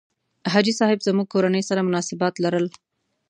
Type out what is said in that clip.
حاجي صاحب زموږ کورنۍ سره مناسبات لرل.